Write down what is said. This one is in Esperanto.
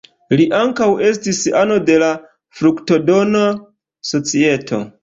Li ankaŭ estis ano de la "Fruktodona Societo".